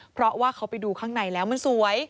เพราะว่าเขาไปดูข้างในแล้วมันสวย